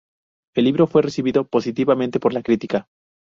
El libro fue recibido positivamente por la crítica.